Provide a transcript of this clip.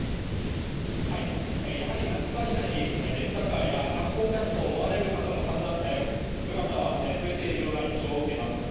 やはり夏場になりレンタカーや観光客と思われる方の姿は増えているような印象を受けます。